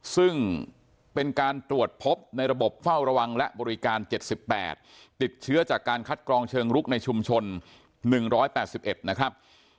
ซึ่งเป็นการตรวจพบในระบบเฝ้าระวังและบริการ๗๘ติดเชื้อจากการคัดกรองเชิงลุกในชุมชน๑๘๑นะครับ